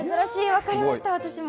分かりました、私も。